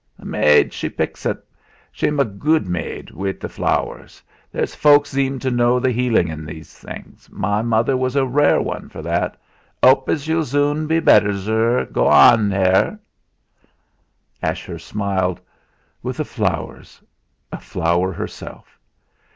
"The maid she picks et. She'm a gude maid wi' the flowers. There's folks zeem to know the healin' in things. My mother was a rare one for that. '.pe as yu'll zune be better, zurr. Goo ahn, therr!" Ashurst smiled. "Wi' the flowers!" A flower herself!